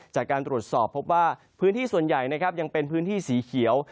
จากการตรวจสอบพบว่าพื้นที่ส่วนใหญ่นะครับยังเป็นพื้นที่สีเขียว